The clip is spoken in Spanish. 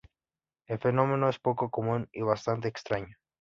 El fenómeno es poco común y bastante extraño.